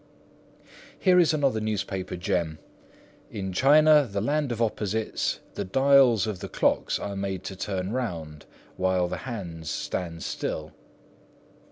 Here is another newspaper gem: "In China, the land of opposites, the dials of the clocks are made to turn round, while the hands stand still."